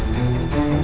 pasti ada sama lars